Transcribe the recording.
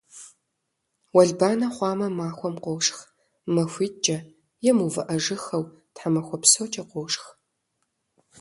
Уэлбанэ хъуамэ, махуэм къошх, махуитӀкӀэ е мыувыӀэжыххэу тхьэмахуэ псокӀэ къошх.